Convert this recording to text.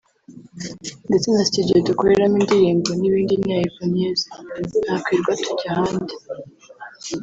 ndetse na Studio dukoreramo indirimbo n’ibindi niya Eboniezs ntakwirwa tujya ahandi”